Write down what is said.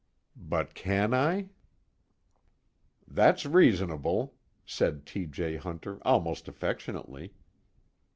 But can I? "That's reasonable," said T. J. Hunter almost affectionately.